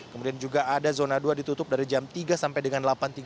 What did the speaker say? kemudian juga ada zona dua ditutup dari jam tiga sampai dengan delapan tiga puluh